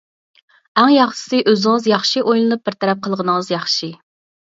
ئەڭ ياخشىسى، ئۆزىڭىز ياخشى ئويلىنىپ بىر تەرەپ قىلغىنىڭىز ياخشى.